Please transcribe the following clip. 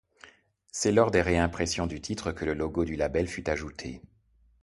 C'est lors des réimpressions du titre que le logo du label fut ajouté.